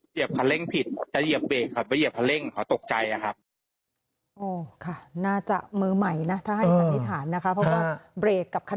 ที่เป็นเพื่อนเขาครับที่เขามาด้วยกันอ่ะ